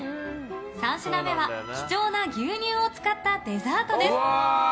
３品目は貴重な牛乳を使ったデザートです。